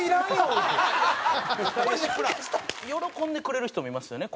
喜んでくれる人もいますよね。